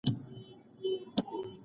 ټولنیز عدالت اړتیا ده.